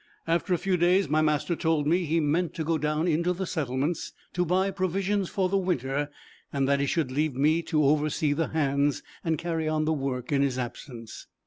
After a few days my master told me he meant to go down into the settlements to buy provisions for the winter, and that he should leave me to oversee the hands, and carry on the work in his absence.